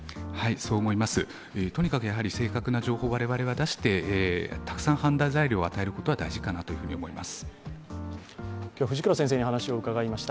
そう思います、とにかく正確な情報を我々は出してたくさん判断材料を与えることが大事かなと思います。